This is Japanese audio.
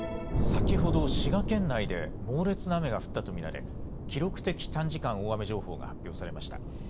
先ほど滋賀県内で猛烈な雨が降ったと見られ記録的短時間大雨情報が発表されました。